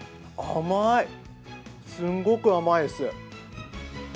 甘い、すんごく甘いです。